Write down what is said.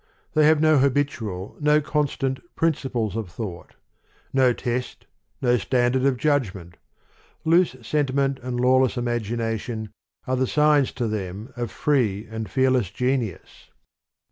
They have no habitual, nor con stant, principles of thought; no test, no standard of judgment: loose sentiment and lawless imagination are the signs to them of free and fearless genius.